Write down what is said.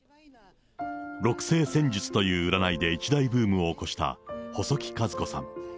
六星占術という占いで一大ブームを起こした、細木数子さん。